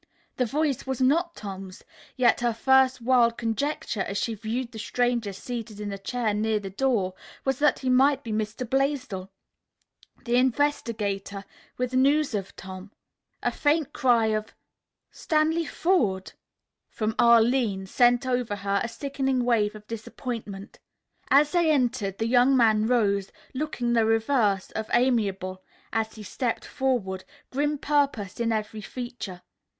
The voice was not Tom's, yet her first wild conjecture as she viewed the stranger seated in a chair near the door, was that he might be Mr. Blaisdell, the investigator, with news of Tom. A faint cry of, "Stanley Forde!" from Arline sent over her a sickening wave of disappointment. As they entered, the young man rose, looking the reverse of amiable as he stepped forward, grim purpose in every feature.